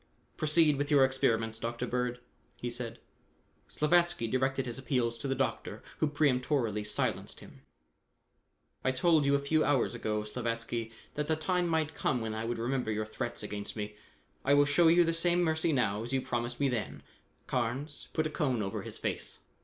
"Proceed with your experiments, Dr. Bird," he said. Slavatsky directed his appeals to the doctor, who peremptorily silenced him. "I told you a few hours ago, Slavatsky, that the time might come when I would remember your threats against me. I will show you the same mercy now as you promised me then. Carnes, put a cone over his face."